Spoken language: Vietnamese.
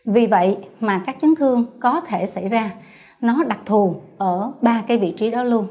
vì vậy các chấn thương có thể xảy ra đặc thù ở ba vị trí đó luôn